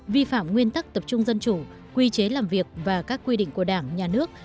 vi phạm nguyên tắc tập trung dân chủ quy chế làm việc và các quy định của đảng nhà nước